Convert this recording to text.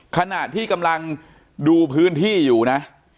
ขณะที่กำลังดูพื้นที่อยู่นะ